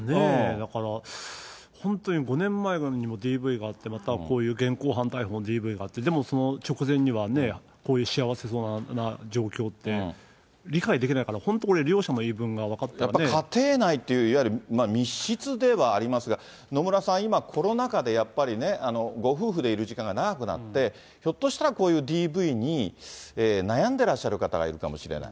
だから、本当に５年前にＤＶがあって、またこういう現行犯逮捕のＤＶがあって、でもその直前にはね、こういう幸せそうな状況って、理解できないから、やっぱり家庭内っていう、いわゆる密室ではありますが、野村さん、今、コロナ禍だからやっぱりね、ご夫婦でいる時間が長くなって、ひょっとしたらこういうＤＶに悩んでらっしゃる方がいるかもしれない。